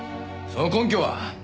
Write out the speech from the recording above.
その根拠は？